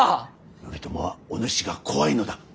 頼朝はおぬしが怖いのだ。